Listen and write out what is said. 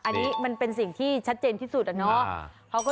อันนี้มันเป็นสิ่งที่ชัดเจนที่สุดอะเนาะ